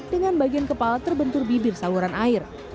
dengan bagian kepala terbentur bibir saluran air